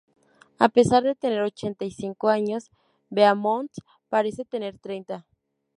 A pesar de tener ochenta y cinco años, Beaumont parece tener treinta.